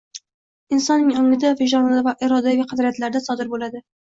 insonning ongida, vijdonida va irodaviy qadriyatlarida sodir bo‘ladi.